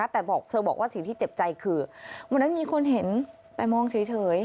แต่เธอบอกว่าสิ่งที่เจ็บใจคือวันนั้นมีคนเห็นแต่มองเฉย